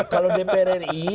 kalau dpr ri